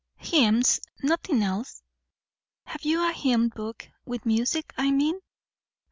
"Hymns. Nothing else." "Have you a hymn book? with music, I mean?"